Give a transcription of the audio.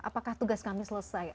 apakah tugas kami selesai